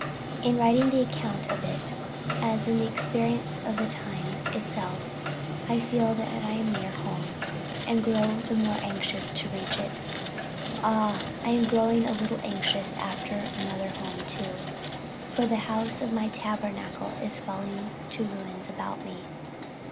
In writing the account of it, as in the experience of the time itself, I feel that I am near home, and grow the more anxious to reach it. Ah! I am growing a little anxious after another home, too; for the house of my tabernacle is falling to ruins about me.